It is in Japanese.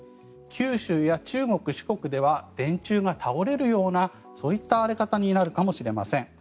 九州や中国・四国では電柱が倒れるようなそういった荒れ方になるかもしれません。